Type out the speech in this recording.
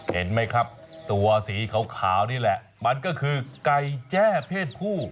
เห็นไหมครับตัวสีขาวนี่แหละมันก็คือไก่แจ้เพศผู้